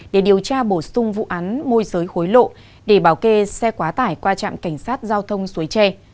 để điều tra bổ sung vụ án môi giới hối lộ để bảo kê xe quá tải qua trạm cảnh sát giao thông suối tre